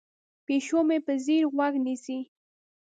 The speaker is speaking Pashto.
پیشو مې په ځیر غوږ نیسي.